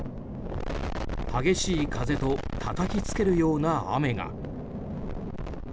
激しい風とたたきつけるような雨が。